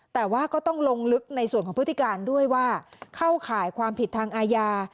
แต่ว่าก็ต้องลงลึกในส่วนของพฤติการด้วยว่าเข้าข่ายความผิดทางอาญา